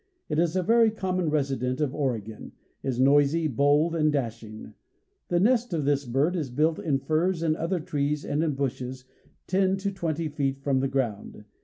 It is a very common resident of Oregon, is noisy, bold, and dashing. The nest of this bird is built in firs and other trees and in bushes, ten to twenty feet from the ground.